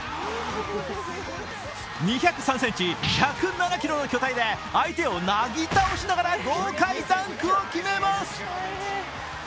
２０３ｃｍ、１０７ｋｇの巨体で相手をなぎ倒しながら豪快ダンクを決めます。